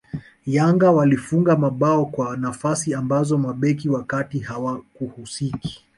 Yanga walifunga mabao kwa nafasi ambazo mabeki wa kati hawakuhusiki